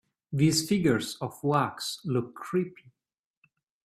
These figures of wax look creepy.